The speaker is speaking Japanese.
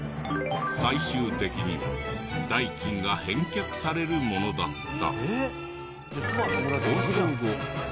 最終的に代金が返却されるものだった。